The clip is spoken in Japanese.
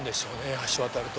橋渡ると。